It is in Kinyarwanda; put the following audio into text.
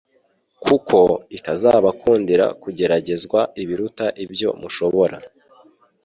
kuko itazabakundira kugeragezwa ibiruta ibyo mushobora